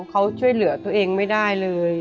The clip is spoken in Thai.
เขาช่วยเหลือตัวเองไม่ได้เลย